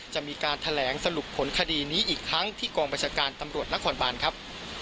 จะมีการแถลงสรุปผลคดีนี้อีกครั้งที่กองประชาการตำรวจนครบานครับ